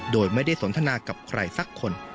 โดยไม่ได้สนทนากับใครสักคน